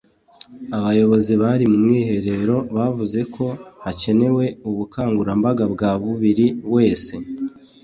Abayobozi bari mu mwiherero bavuze ko hakenewe ubukangurambaga bwa buri wese